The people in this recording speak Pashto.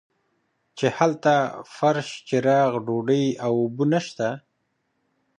چې هلته فرش چراغ ډوډۍ او اوبه نشته.